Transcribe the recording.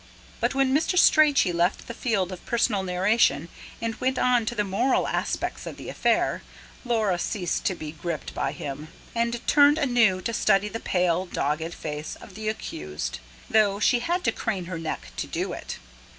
But when Mr. Strachey left the field of personal narration and went on to the moral aspects of the affair, Laura ceased to be gripped by him, and turned anew to study the pale, dogged face [P.122] of the accused, though she had to crane her neck to do it.